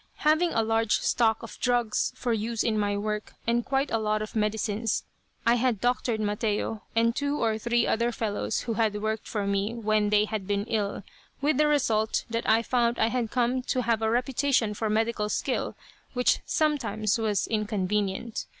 Having a large stock of drugs, for use in my work, and quite a lot of medicines, I had doctored Mateo and two or three other fellows who had worked for me, when they had been ill, with the result that I found I had come to have a reputation for medical skill which sometimes was inconvenient.